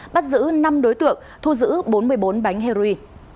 bắt giữ năm đối tượng thu giữ bốn mươi bốn bánh heroin